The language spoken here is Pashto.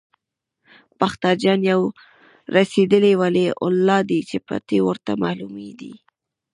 باختر اجان یو رسېدلی ولي الله دی چې پټې ورته معلومې دي.